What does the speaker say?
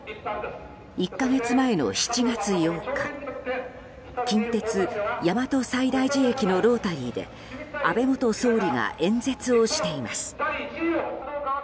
１か月前の７月８日近鉄大和西大寺駅のロータリーで安倍元総理が演説をしています。